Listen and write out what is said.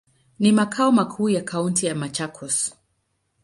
Ni makao makuu ya kaunti ya Machakos.